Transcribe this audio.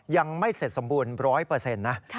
ยังไม่เสร็จสมบูรณ์๑๐๐นะ